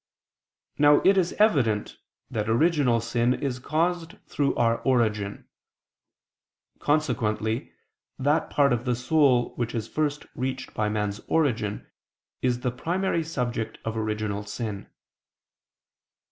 Now it is evident that original sin is caused through our origin. Consequently that part of the soul which is first reached by man's origin, is the primary subject of original sin.